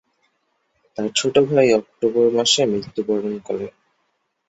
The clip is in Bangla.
তার ছোট ভাই অক্টোবর মাসে মৃত্যুবরণ করে।